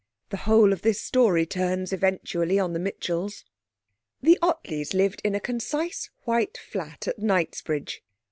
The whole of this story turns eventually on the Mitchells. The Ottleys lived in a concise white flat at Knightsbridge.